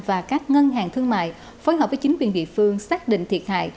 và các ngân hàng thương mại phối hợp với chính quyền địa phương xác định thiệt hại